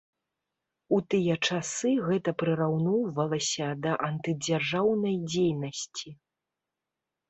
У тыя часы гэта прыраўноўвалася да антыдзяржаўнай дзейнасці.